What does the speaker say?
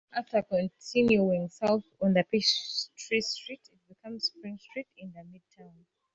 After continuing south on Peachtree Street, it becomes Spring Street in Midtown.